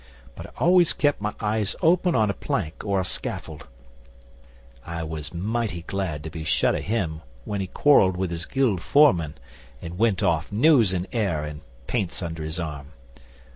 But I always kept my eyes open on a plank or a scaffold. I was mighty glad to be shut of him when he quarrelled with his Guild foreman, and went off, nose in air, and paints under his arm.